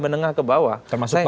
menengah ke bawah